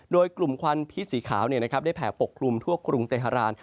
โดยกลุ่มควันพิษสีขาวได้แผ่ปกคลุมทั่วกรุงเตฮาราน